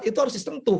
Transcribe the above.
itu harus disentuh